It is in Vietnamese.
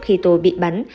khi tôi bị bắn